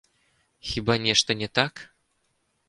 Хіба нешта не так?